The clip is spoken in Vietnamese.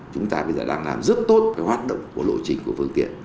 chúng ta bây giờ đang làm rất tốt cái hoạt động của lộ trình của phương tiện